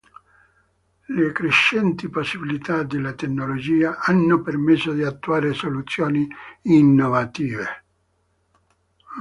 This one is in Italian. Le crescenti possibilità della tecnologia hanno permesso di attuare soluzioni innovative.